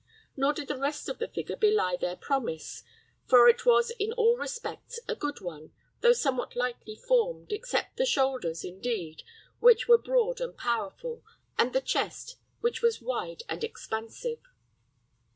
Nor did the rest of the figure belie their promise, for it was in all respects a good one, though somewhat lightly formed, except the shoulders, indeed, which were broad and powerful, and the chest, which was wide and expansive.